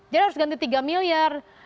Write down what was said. jadi harus ganti tiga miliar